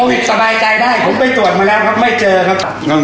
สบายใจได้ผมไปตรวจมาแล้วครับไม่เจอครับ